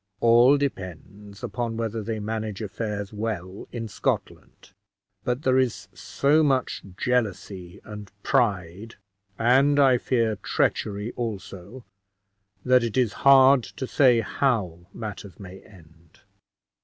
"All depends upon whether they manage affairs well in Scotland; but there is so much jealousy and pride, and, I fear, treachery also, that it is hard to say how matters may end."